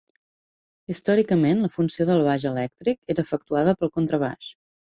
Històricament la funció del baix elèctric era efectuada pel contrabaix.